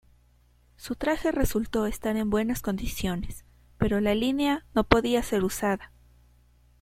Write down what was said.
Su traje resultó estar en buenas condiciones, pero la línea no podía ser usada.